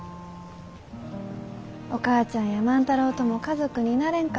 お母ちゃんや万太郎とも家族になれんかった。